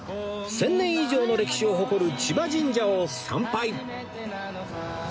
１０００年以上の歴史を誇る千葉神社を参拝